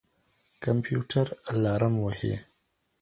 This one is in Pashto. کمپيوټر الارم وهي.